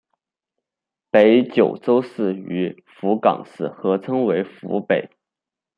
北九州市与福冈市合称为福北。